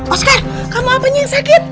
oscar kamu apanya yang sakit